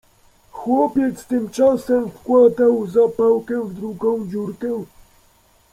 Chłopiec tymczasem wkładał zapałkę w drugą dziurkę.